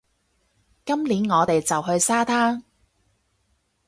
今年，我哋就去沙灘